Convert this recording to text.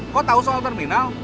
kok tau soal terminal